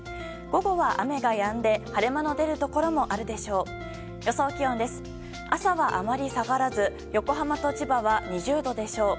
午後は雨がやんで晴れ間の出るところもあるでしょう。